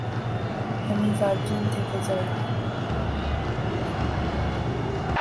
আমি ভার্জিন থেকে যাই।